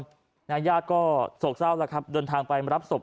แล้วย่างญาติก็โสกเศร้าละครับเดินทางไปรับศพ